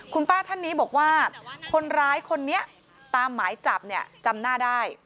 คุณป้าท่านนี้บอกว่าคนร้ายคนนี้ตามหมายจับเนี่ยจำหน้าได้